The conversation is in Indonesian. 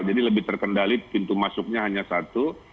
jadi lebih terkendali pintu masuknya hanya satu